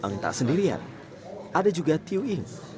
entah sendirian ada juga tiu ying